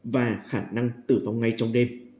và khả năng tử vong ngay trong đêm